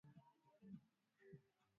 Pombe si kitu kizuri kutumia